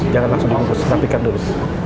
jangan langsung bungkus rapikan dulu